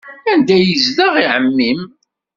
Anda ay yezdeɣ ɛemmi-m?